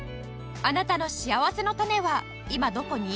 あなたのしあわせのたねは今どこに？